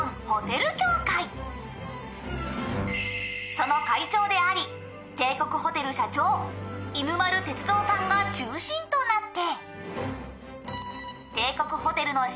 「その会長であり帝国ホテル社長犬丸徹三さんが中心となって」